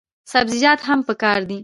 سبزیجات هم پکار دي.